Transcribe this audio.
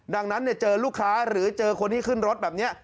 ดังนั้นเจอลูกค้าหรือเจอคนที่ขึ้นรถแบบนี้